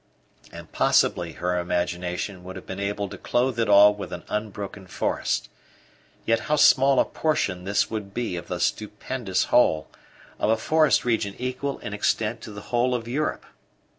And possibly her imagination would have been able to clothe it all with an unbroken forest. Yet how small a portion this would be of the stupendous whole of a forest region equal in extent to the whole of Europe!